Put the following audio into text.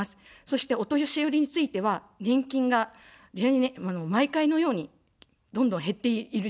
そしてお年寄りについては、年金が、毎回のようにどんどん減っている状況であります。